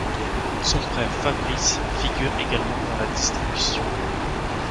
Son frère Fabrice figure également dans la distribution.